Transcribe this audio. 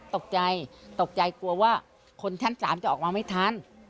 ตกใจตกใจกลัวว่าคนชั้น๓จะออกมาไม่ทัน